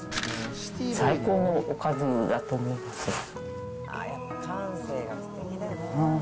最高のおかずだと思ってます。